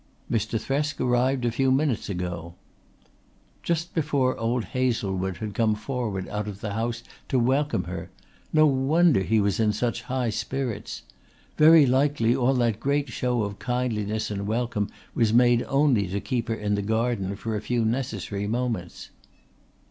"Mr. Thresk arrived a few minutes ago." Just before old Hazlewood had come forward out of the house to welcome her! No wonder he was in such high spirits! Very likely all that great show of kindliness and welcome was made only to keep her in the garden for a few necessary moments.